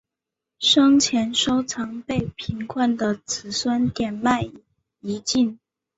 生前收藏被贫困的子孙典卖殆尽。